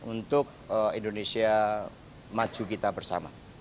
untuk indonesia maju kita bersama